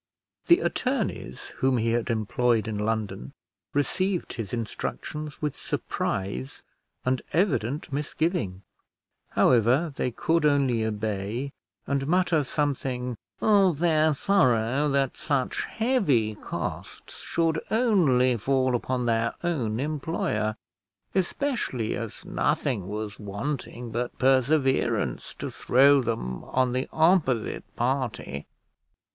The attorneys whom he had employed in London received his instructions with surprise and evident misgiving; however, they could only obey, and mutter something of their sorrow that such heavy costs should only fall upon their own employer, especially as nothing was wanting but perseverance to throw them on the opposite party.